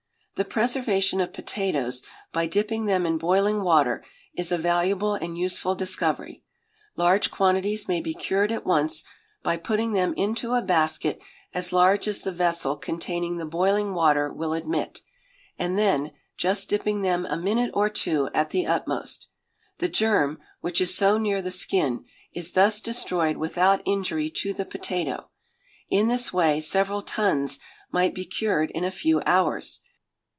The preservation of potatoes by dipping them in boiling water is a valuable and useful discovery. Large quantities may be cured at once, by putting them into a basket as large as the vessel containing the boiling water will admit, and then just dipping them a minute or two, at the utmost. The germ, which is so near the skin, is thus destroyed without injury to the potato. In this way several tons might be cured in a few hours.